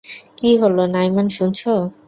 কী হলো, নাইমান, শুনছো?